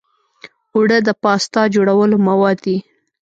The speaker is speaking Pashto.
اوړه د پاستا جوړولو مواد دي